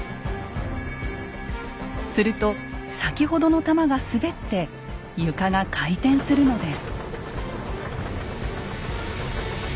すると先ほどの玉が滑って床が回転するのです。